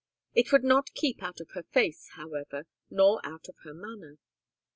It would not keep out of her face, however, nor out of her manner.